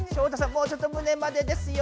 もうちょっと胸までですよ。